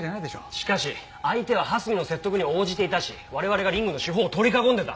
しかし相手は蓮見の説得に応じていたし我々がリングの四方を取り囲んでた。